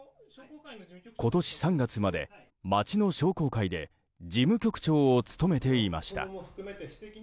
今年３月まで町の商工会で事務局長を務めていました。